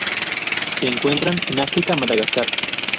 Se encuentran en África: Madagascar.